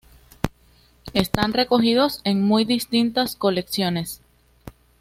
Están recogidos en muy distintas colecciones.